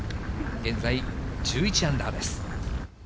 現在１１アンダーです。